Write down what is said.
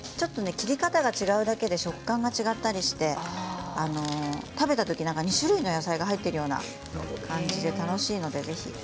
切り方が違うだけで食感が違ったりして食べたときに２種類の野菜が入っているような感じで楽しいので、ぜひ。